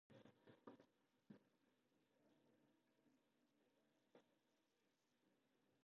天皇は、日本国の象徴であり日本国民統合の象徴であつて、この地位は、主権の存する日本国民の総意に基く。